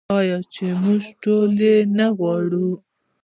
آیا چې موږ ټول یې نه غواړو؟